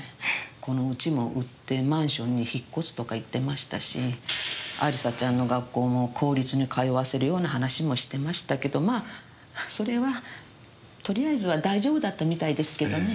この家も売ってマンションに引っ越すとか言ってましたし亜里沙ちゃんの学校も公立に通わせるような話もしてましたけどまあそれはとりあえずは大丈夫だったみたいですけどね。